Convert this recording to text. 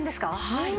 はい。